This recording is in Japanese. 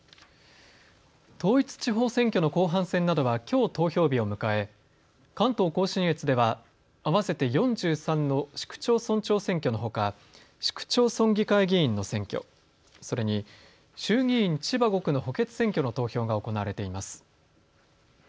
統一地方選挙の後半戦などはきょう投票日を迎え関東甲信越では合わせて４３の市区町村長選挙のほか市区町村議会議員の選挙、それに衆議院千葉５区の補欠選挙の投票が行われています。